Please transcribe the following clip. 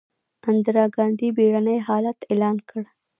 اندرا ګاندي بیړنی حالت اعلان کړ.